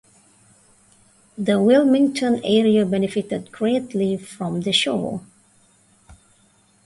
The Wilmington area benefited greatly from the show.